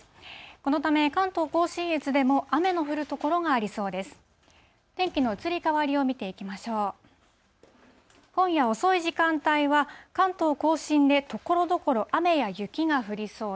このため、関東甲信越でも雨の降る所がありそうです。